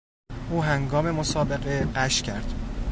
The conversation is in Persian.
او هنگام مسابقه غش کرد.